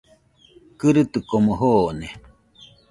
Kɨrɨtikomo joone